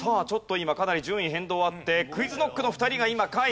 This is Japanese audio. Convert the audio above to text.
今かなり順位変動あってＱｕｉｚＫｎｏｃｋの２人が今下位。